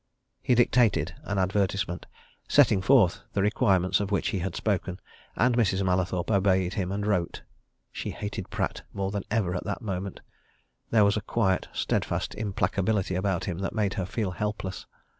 He dictated an advertisement, setting forth the requirements of which he had spoken, and Mrs. Mallathorpe obeyed him and wrote. She hated Pratt more than ever at that moment there was a quiet, steadfast implacability about him that made her feel helpless.